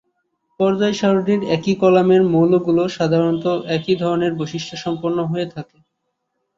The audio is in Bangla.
পর্যায় সারণীর একই কলামের মৌলগুলো সাধারণত একই ধরনের বৈশিষ্ট সম্পন্ন হয়ে থাকে।